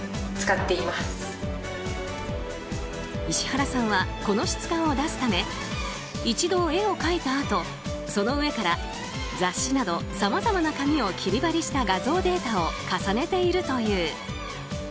石原さんはこの質感を出すため一度、絵を描いたあとその上から雑誌などさまざまな紙を切り貼りした画像データを重ねているという。